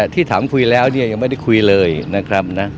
ที่ถามคุยแล้วเนี่ยยังไม่ได้คุยเลยนะครับนะ